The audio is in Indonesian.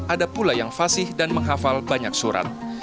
ada pula yang fasih dan menghafal banyak surat